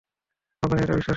আপনি এটা বিশ্বাস করেন?